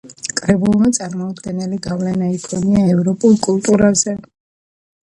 კრებულმა წარმოუდგენელი გავლენა იქონია ევროპულ კულტურაზე.